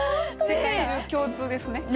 世界中共通ですね。